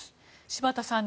柴田さん